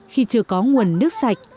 khi chưa có nguồn nước sạch